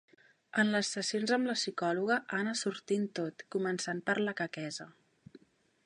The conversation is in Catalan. En les sessions amb la psicòloga ha anat sortint tot, començant per la quequesa.